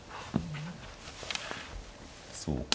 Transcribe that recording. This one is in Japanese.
そうか。